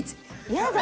やだ！